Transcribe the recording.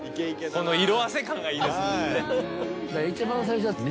この色あせ感がいいですね。